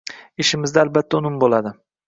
Ishimizda albatta unum boʻladi.